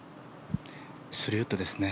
３ウッドですね。